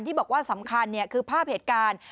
ที่บอกว่าสำคัญคือภาพเหตุการณ์